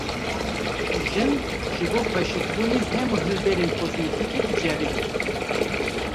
Jin, ji bo xweşikbûnê hemû hilberên kozmetîkê diceribînin